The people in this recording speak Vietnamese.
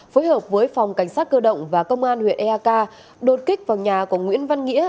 phối hợp với phòng cảnh sát cơ động và công an huyện eak đột kích vào nhà của nguyễn văn nghĩa